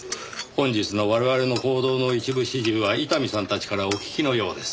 本日の我々の行動の一部始終は伊丹さんたちからお聞きのようです。